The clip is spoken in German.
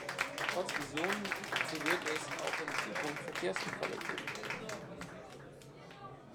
Trotz Vision Zewird es auch in Zukunft Verkehrsunfälle geben.